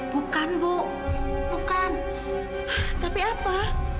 bukan bu bukan tapi apa